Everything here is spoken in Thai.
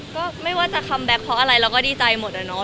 ก็ไม่ว่าจะคัมแบ็คเพราะอะไรเราก็ดีใจหมดอะเนาะ